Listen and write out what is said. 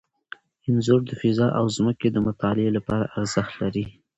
انځور د فضا او ځمکې د مطالعې لپاره ارزښت لري.